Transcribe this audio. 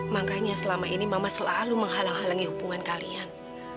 makanya selama ini mama selalu menghalang halangi hubungan kalian